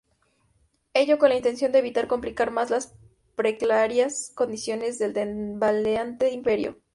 Ello con la intención de evitar complicar más las precarias condiciones del tambaleante Imperio.